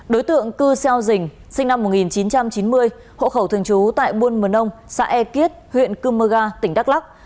đối tượng cư xeo dình sinh năm một nghìn chín trăm chín mươi hộ khẩu thường trú tại buôn mờ nông xã e kiết huyện cư mơ ga tỉnh đắk lắc